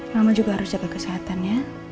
mama juga harus jaga kesehatan ya